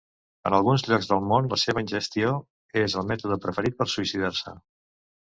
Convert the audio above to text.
En alguns llocs del món la seva ingestió és el mètode preferit per suïcidar-se.